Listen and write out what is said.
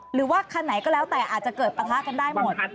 หรือว่าคันไหนก็แล้วแต่อาจจะเกิดปะทะกันได้หมด